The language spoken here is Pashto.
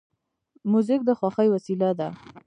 موزیک د خوښۍ وسیله ده.